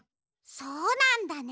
そうなんだね。